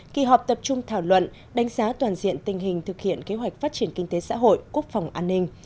kỳ họp tập trung thảo luận đánh giá toàn diện tình hình thực hiện kế hoạch phát triển kinh tế xã hội quốc phòng an ninh